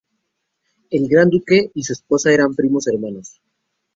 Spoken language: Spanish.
El Gran Duque y su esposa eran primos hermanos.